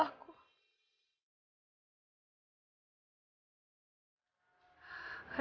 mas luma selalu aku